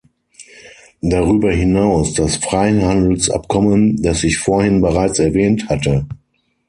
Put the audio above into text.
Darüber hinaus das Freihandelsabkommen, das ich vorhin bereits erwähnt hatte.